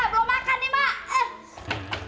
belum makan nih mak